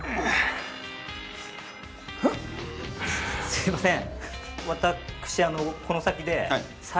すいません。